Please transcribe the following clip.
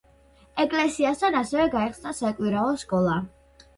ეკლესიასთან ასევე გაიხსნა საკვირაო სკოლა.